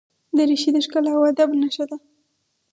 دریشي د ښکلا او ادب نښه ده.